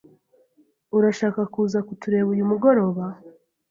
Urashaka kuza kutureba uyu mugoroba?